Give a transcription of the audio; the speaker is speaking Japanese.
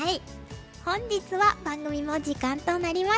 本日は番組も時間となりました。